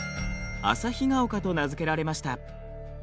旭ヶ丘と名付けられました。